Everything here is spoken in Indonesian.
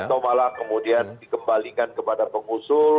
atau malah kemudian dikembalikan kepada pengusul